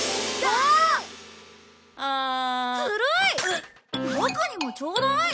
ボクにもちょうだい！